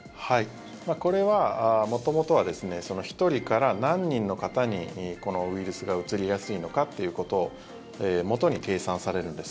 これは元々は１人から何人の方にこのウイルスがうつりやすいのかってことをもとに計算されるんです。